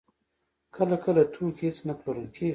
کله کله توکي هېڅ نه پلورل کېږي